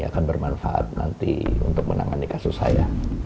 akan bermanfaat nanti untuk menangani kasus saya